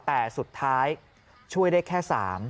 แต่สุดท้ายช่วยได้แค่๓